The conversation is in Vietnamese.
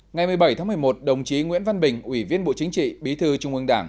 ngày một mươi bảy tháng một mươi một đồng chí nguyễn văn bình ủy viên bộ chính trị bí thư trung ương đảng